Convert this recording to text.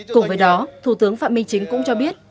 cùng với đó thủ tướng phạm minh chính cũng cho biết